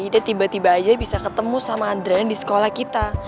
kita tiba tiba aja bisa ketemu sama andren di sekolah kita